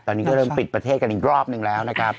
ตอนนี้ก็เริ่มปิดประเทศกันอีกรอบหนึ่งแล้วนะครับ